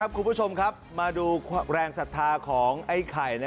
ครับคุณผู้ชมมาดูแรงศาธาร์ของไอ้ไข่